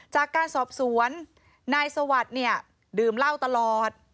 จากการสอบสวนนายสวัสดิ์เนี่ยดื่มเหล้าตลอด